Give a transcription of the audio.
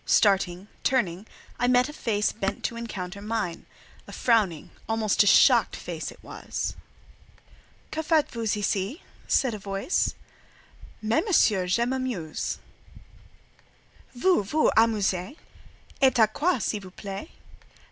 Starting, turning, I met a face bent to encounter mine; a frowning, almost a shocked face it was. "Que faites vous ici?" said a voice. "Mais, Monsieur, je m'amuse." "Vous vous amusez! et à quoi, s'il vous plait?